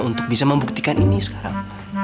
untuk bisa membuktikan ini sekarang